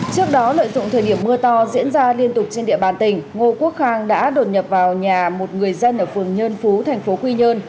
trước đó lợi dụng thời điểm mưa to diễn ra liên tục trên địa bàn tỉnh ngô quốc khang đã đột nhập vào nhà một người dân ở phường nhơn phú thành phố quy nhơn